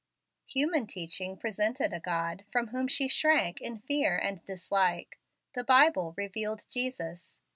Human teaching presented a God from whom she shrank in fear and dislike. The Bible revealed Jesus.